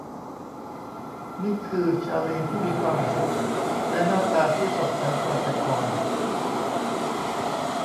นี่คือชาร์ลีย์ที่มีความสุข และหน้าตาที่สดใสกว่าแต่ก่อน